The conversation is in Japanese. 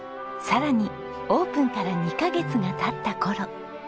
さらにオープンから２カ月が経った頃。